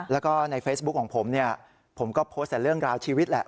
แล้วก็ในเฟซบุ๊คของผมเนี่ยผมก็โพสต์แต่เรื่องราวชีวิตแหละ